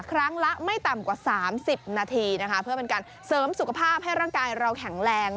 ครั้งละไม่ต่ำกว่า๓๐นาทีนะคะเพื่อเป็นการเสริมสุขภาพให้ร่างกายเราแข็งแรง